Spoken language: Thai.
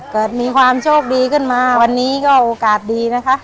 เกิดมีความโชคดีขึ้นมาวันนี้ก็โอกาสดีนะคะ